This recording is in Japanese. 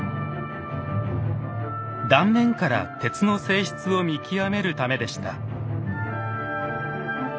断面から鉄の性質を見極めるためでした。